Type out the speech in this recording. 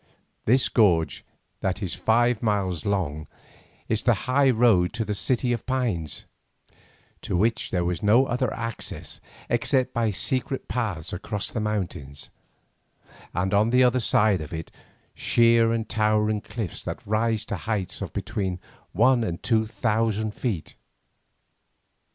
This gorge, that is five miles long, is the high road to the City of Pines, to which there was no other access except by secret paths across the mountains, and on either side of it are sheer and towering cliffs that rise to heights of between one and two thousand feet.